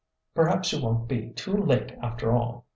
Perhaps you won't be too late after all.